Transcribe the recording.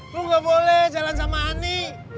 gue gak boleh jalan sama ani